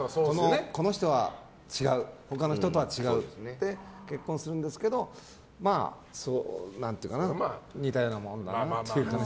この人は他の人とは違うって結婚するんですけど似たようなものだなっていう感じ。